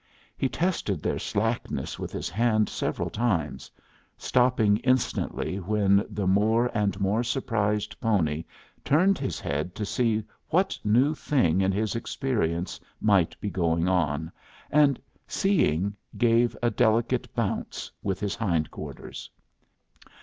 He tested their slackness with his hand several times, stopping instantly when the more and more surprised pony turned his head to see what new thing in his experience might be going on, and, seeing, gave a delicate bounce with his hind quarters.